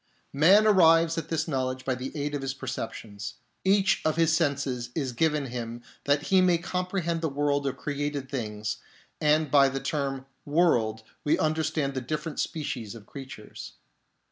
Man arrives at this knowledge by the aid of his perceptions ; each of his senses is given him that he may comprehend the world of created things, and by the term " world " we understand the different species of creatures.